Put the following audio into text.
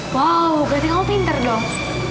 wow berarti kamu pinter dong